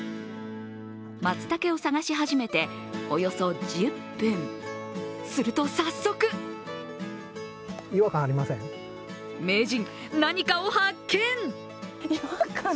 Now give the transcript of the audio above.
松茸を探し始めておよそ１０分、すると早速名人、何かを発見。